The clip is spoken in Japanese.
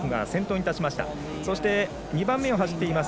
そして、２番目を走っています